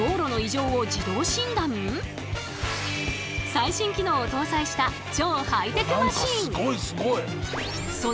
最新機能を搭載した超ハイテクマシン！